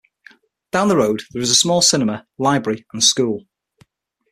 Down the road there is a small cinema, library, and school.